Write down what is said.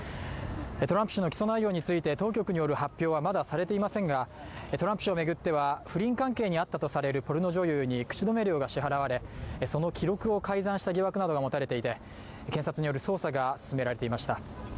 トランプ氏の起訴内容について当局による記者発表はまだされていませんがトランプ氏を巡っては不倫関係にあったとされるポルノ女優に口止め料が支払われその記録を改ざんした疑惑などが持たれていて、検察による捜査が進められていました。